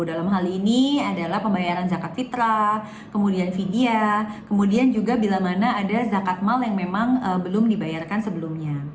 dalam hal ini adalah pembayaran zakat fitrah kemudian vidya kemudian juga bila mana ada zakat mal yang memang belum dibayarkan sebelumnya